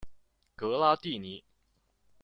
格拉蒂尼。